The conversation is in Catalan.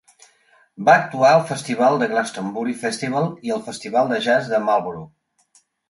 Va actuar al Festival de Glastonbury Festival i al Festival de Jazz de Marlborough.